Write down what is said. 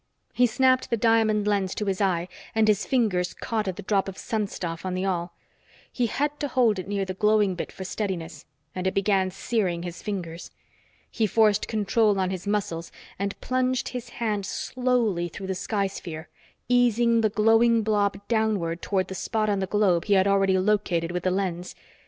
He snapped the diamond lens to his eye and his fingers caught at the drop of sun stuff on the awl. He had to hold it near the glowing bit for steadiness, and it began searing his fingers. He forced control on his muscles and plunged his hand slowly through the sky sphere, easing the glowing blob downward toward the spot on the globe he had already located with the lens.